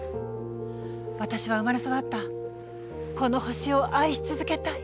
私は生まれ育ったこの地球を愛し続けたい。